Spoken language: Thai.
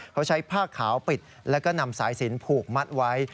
เขาใช้ผ้าขาวปิดแล้วก็นำสายสินผูกมัดไว้